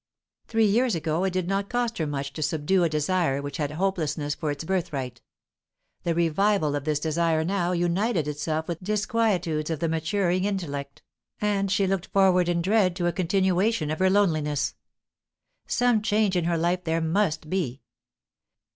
Three years ago it did not cost her much to subdue a desire which had hopelessness for its birthright; the revival of this desire now united itself with disquietudes of the maturing intellect, and she looked forward in dread to a continuation of her loneliness. Some change in her life there must be.